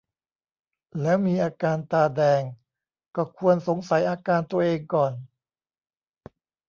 แล้วมีอาการตาแดง ก็ควรสงสัยอาการตัวเองก่อน